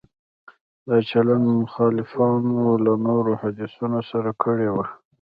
دا چلند مخالفانو له نورو حدیثونو سره کړی وای.